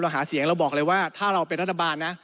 หาเสียงเราบอกเลยว่าถ้าเราเป็นรัฐบาลนะ